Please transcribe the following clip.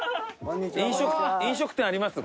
飲食店？ありますよ。